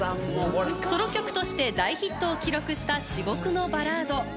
ソロ曲として大ヒットを記録した至極のバラード